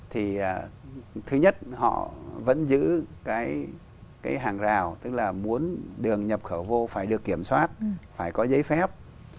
thứ nhất họ vẫn giữ cái hàng rào tức là muốn đường nhập khẩu vô phải được kiểm soát phải có giấy phép